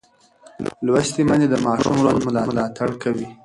لوستې میندې د ماشوم روغ ژوند ملاتړ کوي.